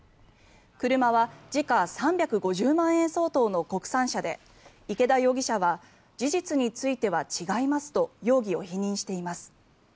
車は時価３５０万円相当の国産車で池田容疑者は事実については違いますと容疑を否認しています。